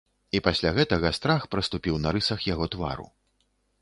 І пасля гэтага страх праступіў на рысах яго твару.